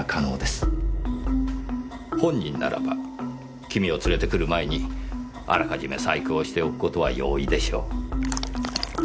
本人ならば君を連れてくる前にあらかじめ細工をしておく事は容易でしょう。